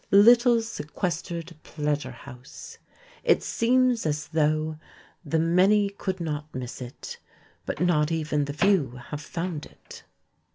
"Little, sequestered pleasure house" it seemed as though "the many could not miss it," but not even the few have found it.